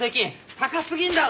高過ぎんだろ！